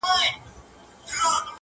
o زړه ته د ښايست لمبه پوره راغلې نه ده.